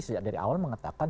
sejak dari awal mengatakan